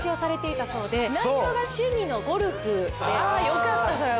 よかったそれは。